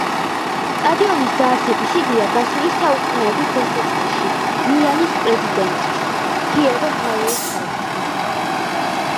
სტადიონის დაარსების იდეა გასული საუკუნის დასაწყისში მილანის პრეზიდენტს, პიერო პიერის გაუჩნდა.